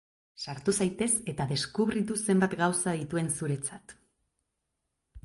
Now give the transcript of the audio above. Sartu zaitez, eta deskubritu zenbat gauza dituen zuretzat!